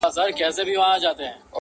ته به ژاړې پر عمل به یې پښېمانه،